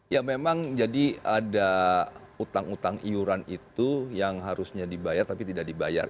ya memang jadi ada utang utang iuran itu yang harusnya dibayar tapi tidak dibayar